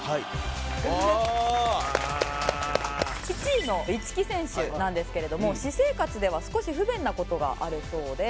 １位の一木選手なんですけれども私生活では少し不便な事があるそうで。